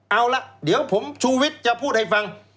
เอาล่ะเดี๋ยวผมชูวิทย์จะพูดให้ฟัง